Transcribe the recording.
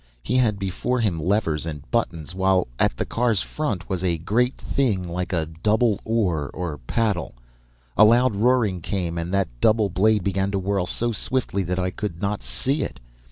He had before him levers and buttons, while at the car's front was a great thing like a double oar or paddle. A loud roaring came and that double blade began to whirl so swiftly that I could not see it.